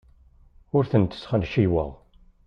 Ur tent-sxenciweɣ.